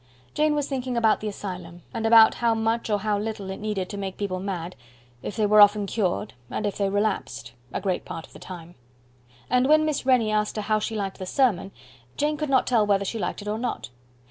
Jane was thinking about the Asylum, and about how much or how little it needed to make people mad if they were often cured and if they relapsed a great part of the time; and when Miss Rennie asked her how she liked the sermon, Jane could not tell whether she liked it or not.